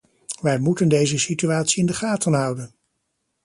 Wij moeten deze situatie in de gaten houden!